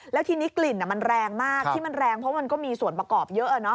แล้วทีนี้กลิ่นมันแรงมากที่มันแรงเพราะมันก็มีส่วนประกอบเยอะ